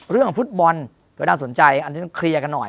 เรื่องฟุตบอลก็น่าสนใจอันนี้ต้องเคลียร์กันหน่อย